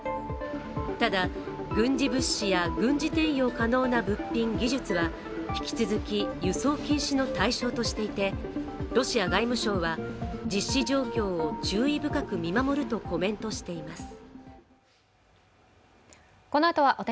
ただ、軍事物資や軍事転用可能な物品・技術は引き続き輸送禁止の対象としていてロシア外務省は実施状況を注意深く見守るとコメントしています。